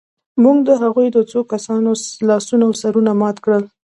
موږ د هغوی د څو کسانو لاسونه او سرونه مات کړل